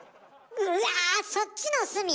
うわそっちの「すみ」？